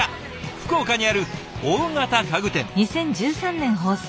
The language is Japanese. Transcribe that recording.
福岡にある大型家具店。